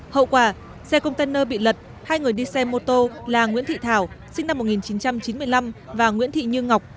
hậu quả xe container bị lật hai người đi xe mô tô là nguyễn thị thảo sinh năm một nghìn chín trăm chín mươi năm và nguyễn thị như ngọc